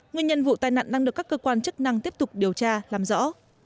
nguyên nhân vụ tai nạn đang được các cơ quan chức năng tiếp tục điều tra làm rõ